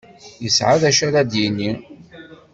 Yesεa d acu ara d-yini.